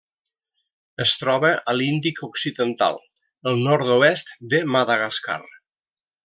Es troba a l'Índic occidental: el nord-oest de Madagascar.